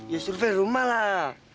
ya survei rumah lah